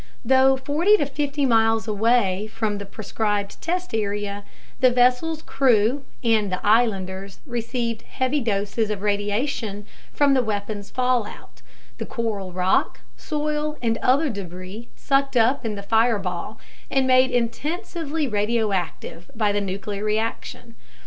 Though 40 to 50 miles away from the proscribed test area, the vessel's crew and the islanders received heavy doses of radiation from the weapon's "fallout" the coral rock, soil, and other debris sucked up in the fireball and made intensively radioactive by the nuclear reaction.